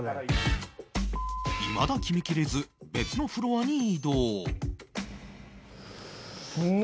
いまだ決めきれず別のフロアに移動